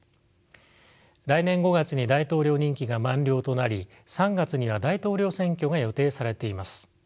来年５月に大統領任期が満了となり３月には大統領選挙が予定されています。